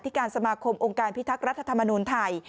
การสมาคมองค์การพิทักษ์รัฐธรรมนูลไทย